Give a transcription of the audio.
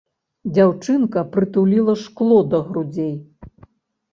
Дзяўчынка прытуліла шкло да грудзей.